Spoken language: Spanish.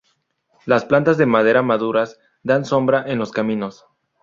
Las plantas de madera maduras dan sombras en los caminos.